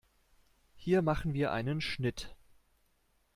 Hier machen wir einen Schnitt.